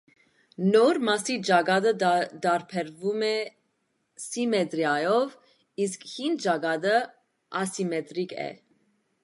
Նոր մասի ճակատը տարբերվում է սիմետրիայով, իսկ հին ճակատը ասիմետրիկ է։